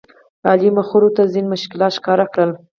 علي مخورو ته ځینې مشکلات ښکاره کړل.